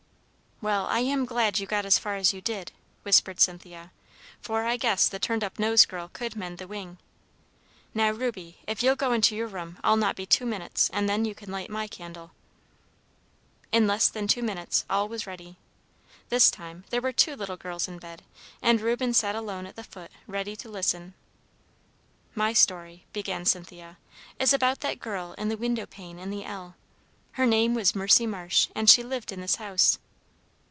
"Well, I am glad you got as far as you did," whispered Cynthia, "for I guess the turned up nose girl could mend the wing. Now, Reuby, if you'll go into your room I'll not be two minutes. And then you can light my candle." In less than two minutes all was ready. This time there were two little girls in bed, and Reuben sat alone at the foot, ready to listen. "My story," began Cynthia, "is about that girl in the window pane in the ell. Her name was Mercy Marsh, and she lived in this house."